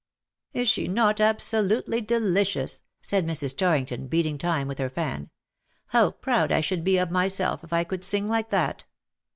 " Is she not absolutely delicious ?'' said Mrs. Torringtouj beating time with her fan. ^' How proud I should be of myself if I could sing like that.